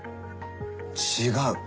違う！